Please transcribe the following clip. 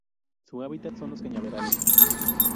Su hábitat son los cañaverales.